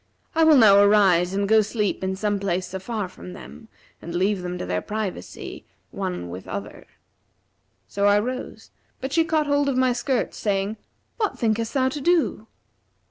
I will now arise and go sleep in some place afar from them and leave them to their privacy, one with other.' So I rose, but she caught hold of my skirts, saying, 'What thinkest thou to do?'